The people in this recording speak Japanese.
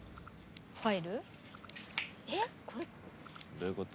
どういうこと？